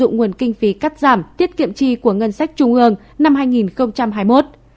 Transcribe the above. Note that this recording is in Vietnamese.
nguồn kinh phí cắt giảm tiết kiệm chi của ngân sách trung ương năm hai nghìn hai mươi một